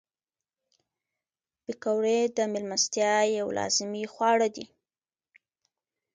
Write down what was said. پکورې د میلمستیا یو لازمي خواړه دي